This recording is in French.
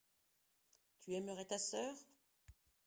tu aimerais ta sœur.